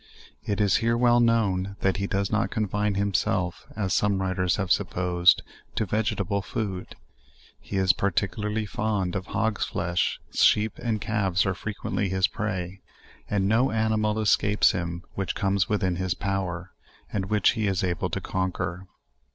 It is here well known, that he does not confine himself, as some writers have supposed, to vegetable food; he is particularly fond of hogs flesh: sheep and calves are frequently' his prey ; and no animal es^ capes him which comes within his power, and which he is able to conquer.